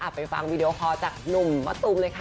ไปฟังวีดีโอคอร์จากหนุ่มมะตูมเลยค่ะ